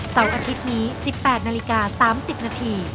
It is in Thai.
เสาร์อาทิตย์นี้๑๘นาฬิกา๓๐นาที